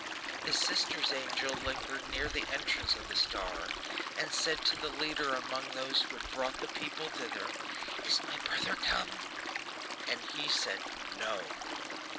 His sister's angel lingered near the entrance of the star, and said to the leader among those who had brought the people thither: 'Is my brother come?' And he said 'No.